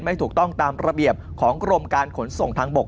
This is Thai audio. ไม่ถูกต้องตามระเบียบของกรมการขนส่งทางบก